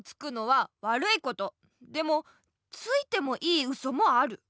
でもついてもいいウソもある。